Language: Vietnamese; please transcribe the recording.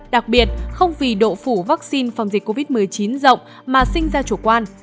đặc biệt không vì độ phủ vaccine phòng dịch covid một mươi chín rộng mà sinh ra chủ quan